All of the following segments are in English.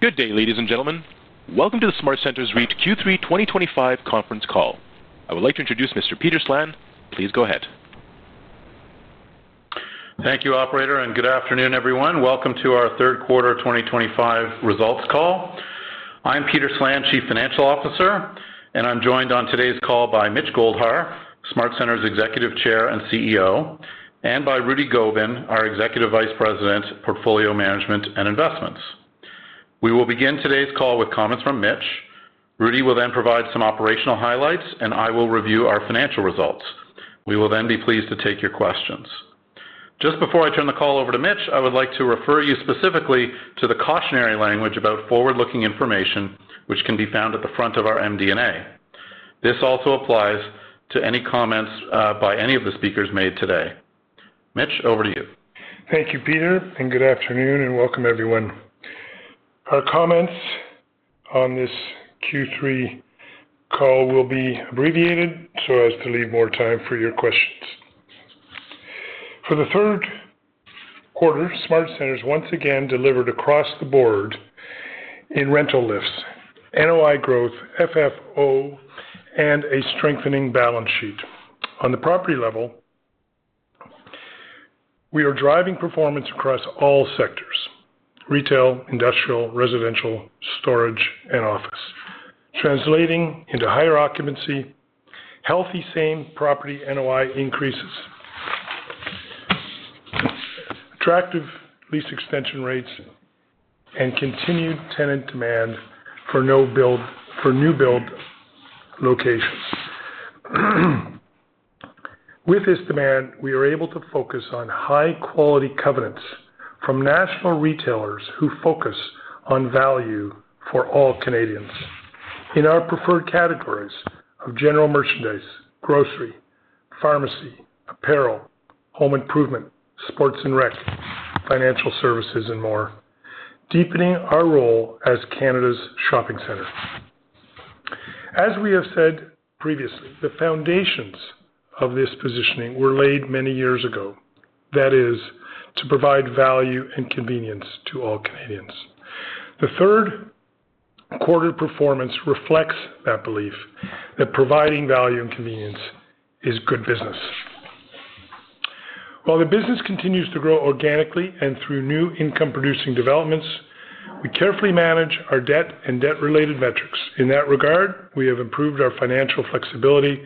Good day, ladies and gentlemen. Welcome to the SmartCentres REIT Q3 2025 conference call. I would like to introduce Mr. Peter Slan. Please go ahead. Thank you, Operator, and good afternoon, everyone. Welcome to our third quarter 2025 results call. I'm Peter Slan, Chief Financial Officer, and I'm joined on today's call by Mitch Goldhar, SmartCentres Executive Chair and CEO, and by Rudy Gobin, our Executive Vice President, Portfolio Management and Investments. We will begin today's call with comments from Mitch. Rudy will then provide some operational highlights, and I will review our financial results. We will then be pleased to take your questions. Just before I turn the call over to Mitch, I would like to refer you specifically to the cautionary language about forward-looking information, which can be found at the front of our MD&A. This also applies to any comments by any of the speakers made today. Mitch, over to you. Thank you, Peter, and good afternoon, and welcome, everyone. Our comments on this Q3 call will be abbreviated so as to leave more time for your questions. For the third quarter, SmartCentres once again delivered across the board in rental lifts, NOI growth, FFO, and a strengthening balance sheet. On the property level, we are driving performance across all sectors: retail, industrial, residential, storage, and office, translating into higher occupancy, healthy same property NOI increases, attractive lease extension rates, and continued tenant demand for new build locations. With this demand, we are able to focus on high-quality covenants from national retailers who focus on value for all Canadians in our preferred categories of general merchandise, grocery, pharmacy, apparel, home improvement, sports and rec, financial services, and more, deepening our role as Canada's shopping center. As we have said previously, the foundations of this positioning were laid many years ago, that is, to provide value and convenience to all Canadians. The third quarter performance reflects that belief that providing value and convenience is good business. While the business continues to grow organically and through new income-producing developments, we carefully manage our debt and debt-related metrics. In that regard, we have improved our financial flexibility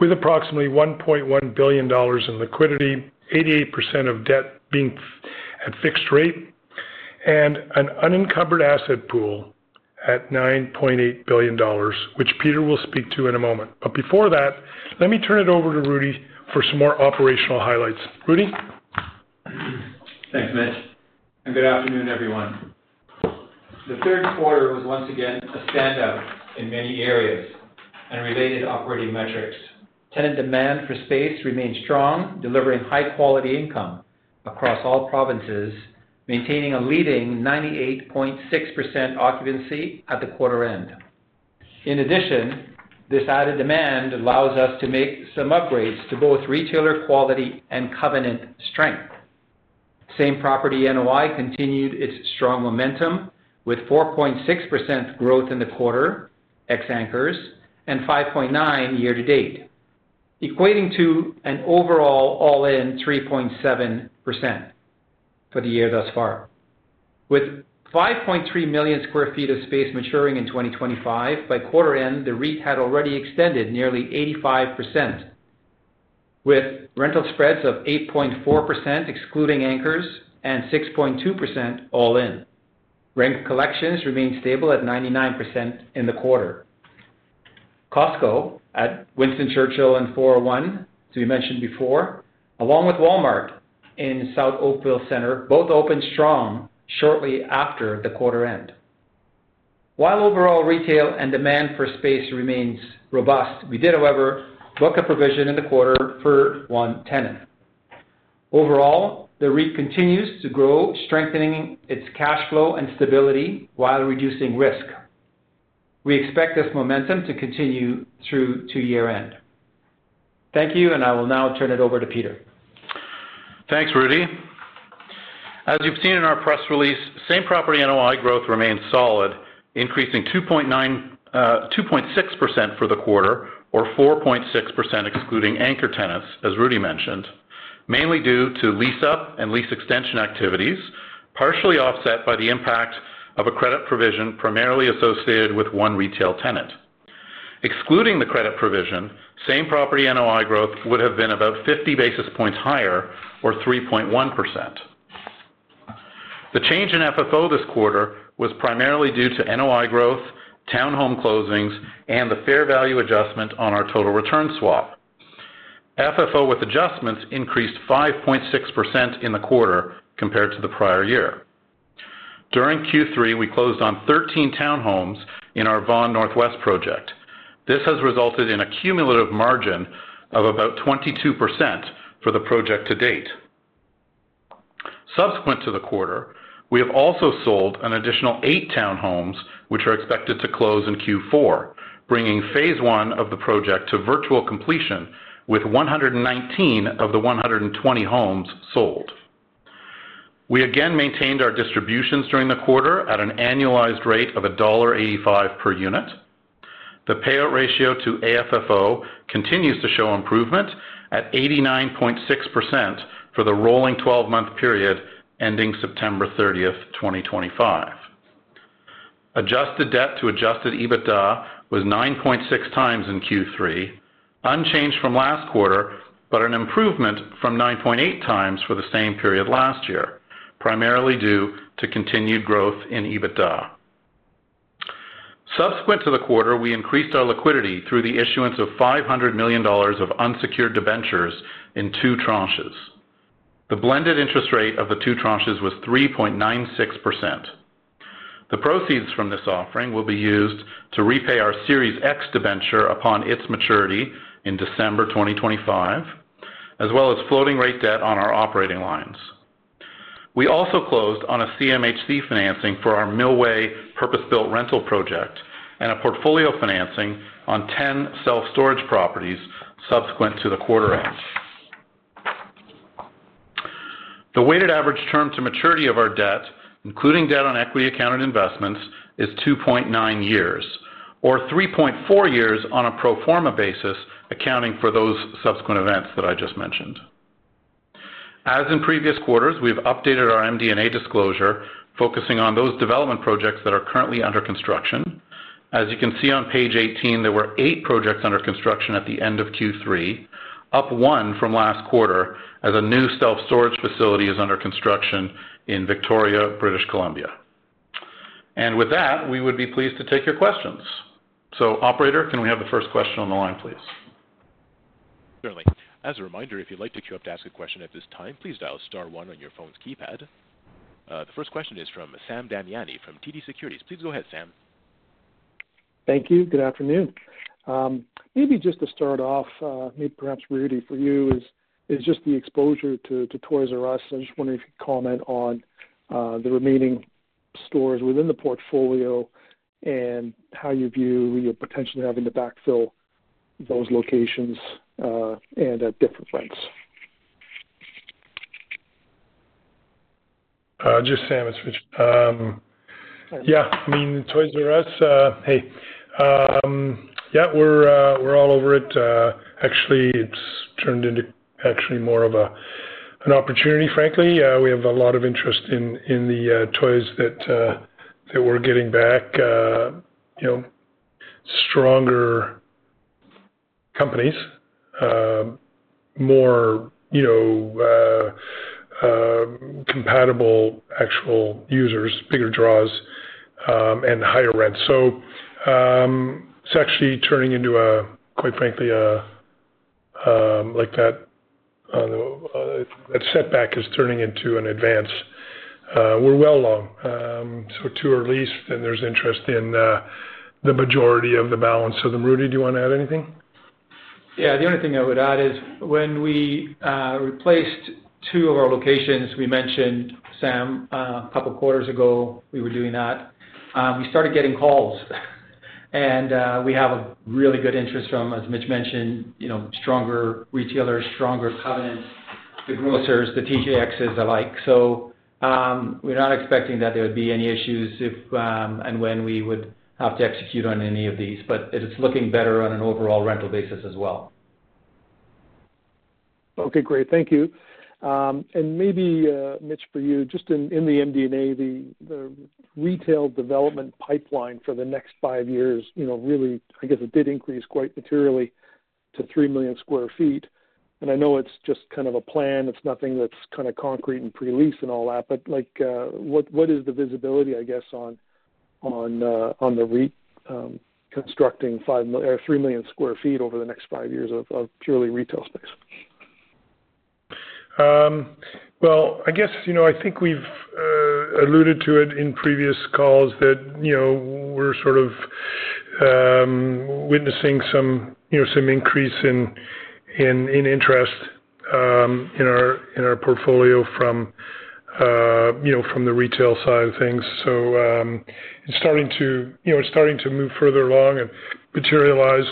with approximately 1.1 billion dollars in liquidity, 88% of debt being at fixed rate, and an unencumbered asset pool at 9.8 billion dollars, which Peter will speak to in a moment. Before that, let me turn it over to Rudy for some more operational highlights. Rudy? Thanks, Mitch. Good afternoon, everyone. The third quarter was once again a standout in many areas and related operating metrics. Tenant demand for space remained strong, delivering high-quality income across all provinces, maintaining a leading 98.6% occupancy at the quarter end. In addition, this added demand allows us to make some upgrades to both retailer quality and covenant strength. Same property NOI continued its strong momentum with 4.6% growth in the quarter, ex-anchors, and 5.9% year to date, equating to an overall all-in 3.7% for the year thus far. With 5.3 million sq ft of space maturing in 2025, by quarter end, the REIT had already extended nearly 85%, with rental spreads of 8.4% excluding anchors and 6.2% all-in. Rent collections remained stable at 99% in the quarter. Costco at Winston Churchill and 401, as we mentioned before, along with Walmart in South Oakville Centre, both opened strong shortly after the quarter end. While overall retail and demand for space remains robust, we did, however, book a provision in the quarter for one tenant. Overall, the REIT continues to grow, strengthening its cash flow and stability while reducing risk. We expect this momentum to continue through to year-end. Thank you, and I will now turn it over to Peter. Thanks, Rudy. As you've seen in our press release, same property NOI growth remained solid, increasing 2.6% for the quarter, or 4.6% excluding anchor tenants, as Rudy mentioned, mainly due to lease-up and lease extension activities, partially offset by the impact of a credit provision primarily associated with one retail tenant. Excluding the credit provision, same property NOI growth would have been about 50 basis points higher, or 3.1%. The change in FFO this quarter was primarily due to NOI growth, townhome closings, and the fair value adjustment on our total return swap. FFO with adjustments increased 5.6% in the quarter compared to the prior year. During Q3, we closed on 13 townhomes in our Vaughan Northwest project. This has resulted in a cumulative margin of about 22% for the project to date. Subsequent to the quarter, we have also sold an additional eight townhomes, which are expected to close in Q4, bringing phase one of the project to virtual completion with 119 of the 120 homes sold. We again maintained our distributions during the quarter at an annualized rate of dollar 1.85 per unit. The payout ratio to AFFO continues to show improvement at 89.6% for the rolling 12-month period ending September 30, 2025. Adjusted debt to adjusted EBITDA was 9.6x in Q3, unchanged from last quarter, but an improvement from 9.8x for the same period last year, primarily due to continued growth in EBITDA. Subsequent to the quarter, we increased our liquidity through the issuance of 500 million dollars of unsecured debentures in two tranches. The blended interest rate of the two tranches was 3.96%. The proceeds from this offering will be used to repay our Series X debenture upon its maturity in December 2025, as well as floating-rate debt on our operating lines. We also closed on a CMHC financing for our Millway Purpose-Built Rental Project and a portfolio financing on 10 self-storage properties subsequent to the quarter end. The weighted average term to maturity of our debt, including debt on equity accounted investments, is 2.9 years, or 3.4 years on a pro forma basis, accounting for those subsequent events that I just mentioned. As in previous quarters, we have updated our MD&A disclosure, focusing on those development projects that are currently under construction. As you can see on page 18, there were eight projects under construction at the end of Q3, up one from last quarter as a new self-storage facility is under construction in Victoria, British Columbia. With that, we would be pleased to take your questions. Operator, can we have the first question on the line, please? Certainly. As a reminder, if you'd like to queue up to ask a question at this time, please dial star one on your phone's keypad. The first question is from Sam Damiani from TD Securities. Please go ahead, Sam. Thank you. Good afternoon. Maybe just to start off, maybe perhaps Rudy, for you is just the exposure to Toys R Us. I just wonder if you could comment on the remaining stores within the portfolio and how you view your potential having to backfill those locations and at different rents. Just Sam. It's Mitch. Yeah. I mean, Toys R Us, hey. Yeah, we're all over it. Actually, it's turned into actually more of an opportunity, frankly. We have a lot of interest in the toys that we're getting back, stronger companies, more compatible actual users, bigger draws, and higher rents. So it's actually turning into, quite frankly, like that setback is turning into an advance. We're well along. To our least, and there's interest in the majority of the balance of them. Rudy, do you want to add anything? Yeah. The only thing I would add is when we replaced two of our locations, we mentioned, Sam, a couple of quarters ago, we were doing that. We started getting calls, and we have a really good interest from, as Mitch mentioned, stronger retailers, stronger covenants, the grocers, the TJXs alike. We are not expecting that there would be any issues if and when we would have to execute on any of these, but it is looking better on an overall rental basis as well. Okay. Great. Thank you. Maybe, Mitch, for you, just in the MD&A, the retail development pipeline for the next five years really, I guess, it did increase quite materially to 3 million sq ft I know it's just kind of a plan. It's nothing that's kind of concrete and pre-lease and all that, but what is the visibility, I guess, on the REIT constructing 3 million sq ft over the next five years of purely retail space? I guess I think we've alluded to it in previous calls that we're sort of witnessing some increase in interest in our portfolio from the retail side of things. It is starting to move further along and materialize.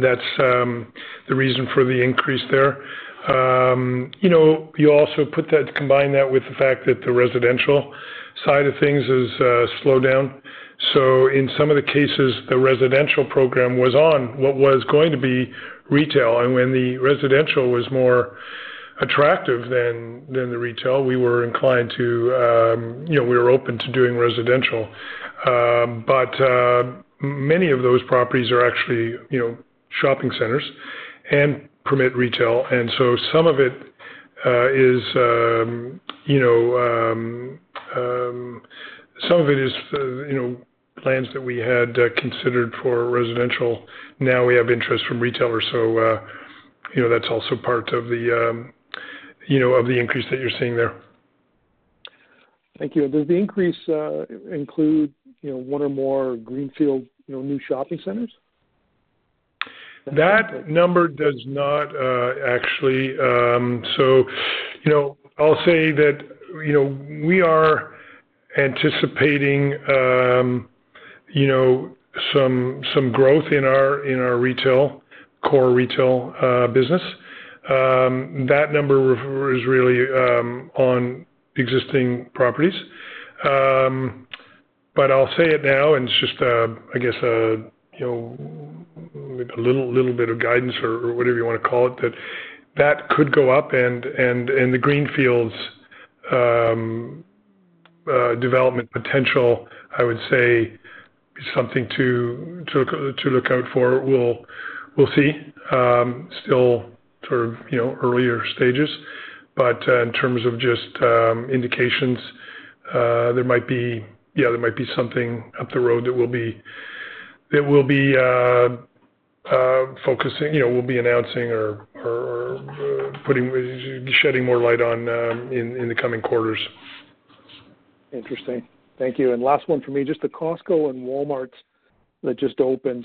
That's the reason for the increase there. You also combine that with the fact that the residential side of things has slowed down. In some of the cases, the residential program was on what was going to be retail. When the residential was more attractive than the retail, we were inclined to, we were open to doing residential. Many of those properties are actually shopping centers and permit retail. Some of it is lands that we had considered for residential. Now we have interest from retailers. That's also part of the increase that you're seeing there. Thank you. Does the increase include one or more greenfield new shopping centers? That number does not actually. I'll say that we are anticipating some growth in our retail core retail business. That number is really on existing properties. I'll say it now, and it's just, I guess, a little bit of guidance or whatever you want to call it, that that could go up. The greenfields development potential, I would say, is something to look out for. We'll see. Still sort of earlier stages. In terms of just indications, there might be, yeah, there might be something up the road that we will be announcing or shedding more light on in the coming quarters. Interesting. Thank you. Last one for me, just the Costco and Walmart that just opened.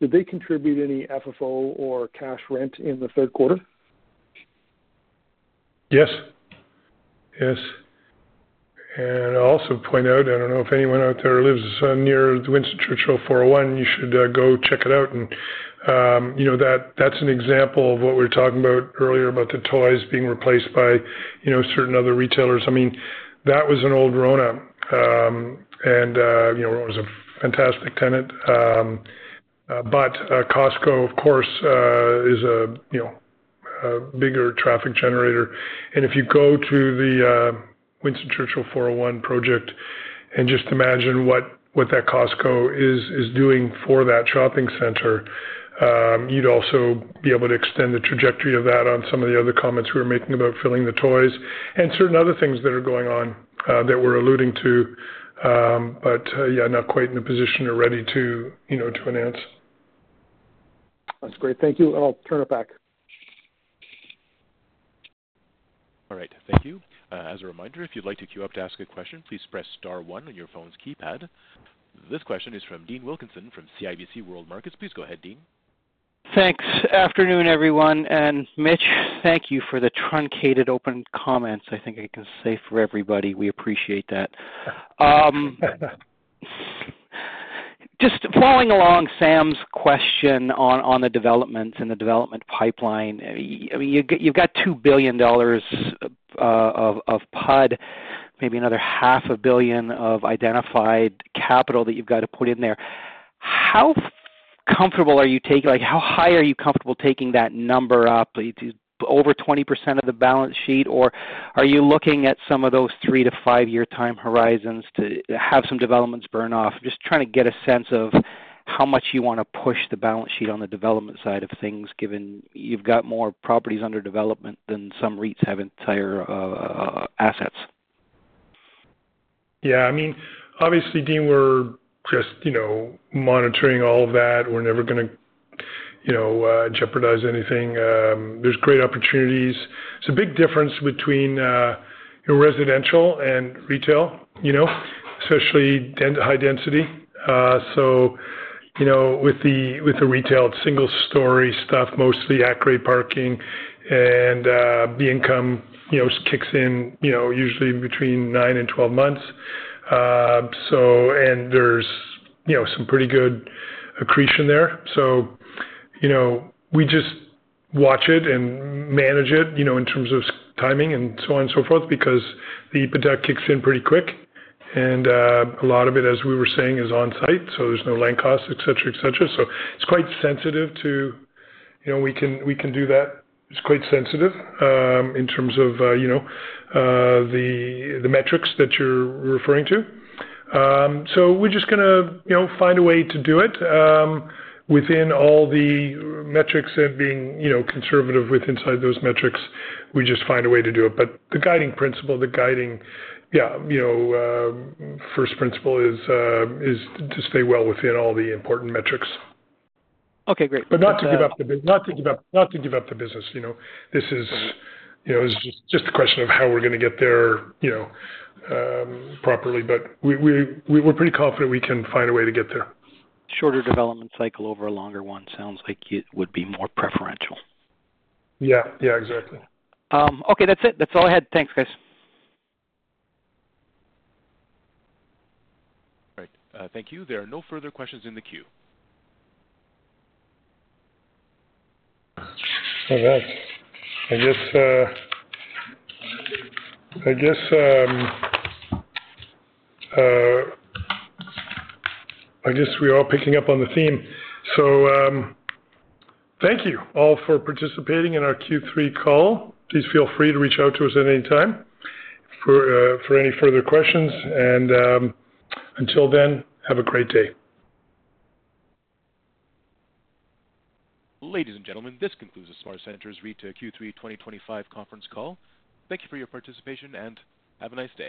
Did they contribute any FFO or cash rent in the third quarter? Yes. Yes. I'll also point out, I don't know if anyone out there lives near the Winston Churchill and 401, you should go check it out. That's an example of what we were talking about earlier about the toys being replaced by certain other retailers. I mean, that was an old Rona. Rona's a fantastic tenant. Costco, of course, is a bigger traffic generator. If you go to the Winston Churchill and 401 project and just imagine what that Costco is doing for that shopping center, you'd also be able to extend the trajectory of that on some of the other comments we were making about filling the toys and certain other things that are going on that we're alluding to. Yeah, not quite in the position or ready to announce. That's great. Thank you. I'll turn it back. All right. Thank you. As a reminder, if you'd like to queue up to ask a question, please press star one on your phone's keypad. This question is from Dean Wilkinson from CIBC World Markets. Please go ahead, Dean. Thanks. Afternoon, everyone. Mitch, thank you for the truncated open comments. I think I can say for everybody, we appreciate that. Just following along Sam's question on the developments and the development pipeline, you've got 2 billion dollars of PUD, maybe another 500 million of identified capital that you've got to put in there. How comfortable are you taking, how high are you comfortable taking that number up? Over 20% of the balance sheet? Are you looking at some of those three- to five-year time horizons to have some developments burn off? Just trying to get a sense of how much you want to push the balance sheet on the development side of things, given you've got more properties under development than some REITs have entire assets. Yeah. I mean, obviously, Dean, we're just monitoring all of that. We're never going to jeopardize anything. There's great opportunities. It's a big difference between residential and retail, especially high density. With the retail single-story stuff, mostly at-grade parking, and the income kicks in usually between 9 and 12 months. There's some pretty good accretion there. We just watch it and manage it in terms of timing and so on and so forth because the EBITDA kicks in pretty quick. A lot of it, as we were saying, is on-site, so there's no land costs, etc., etc. It's quite sensitive to we can do that. It's quite sensitive in terms of the metrics that you're referring to. We're just going to find a way to do it within all the metrics and being conservative with inside those metrics. We just find a way to do it. The guiding principle, the guiding, yeah, first principle is to stay well within all the important metrics. Okay. Great. Not to give up the business. This is just a question of how we're going to get there properly. We're pretty confident we can find a way to get there. Shorter development cycle over a longer one sounds like it would be more preferential. Yeah. Yeah. Exactly. Okay. That's it. That's all I had. Thanks, guys. All right. Thank you. There are no further questions in the queue. All right. I guess we are picking up on the theme. Thank you all for participating in our Q3 call. Please feel free to reach out to us at any time for any further questions. Until then, have a great day. Ladies and gentlemen, this concludes the SmartCentres REIT Q3 2025 conference call. Thank you for your participation and have a nice day.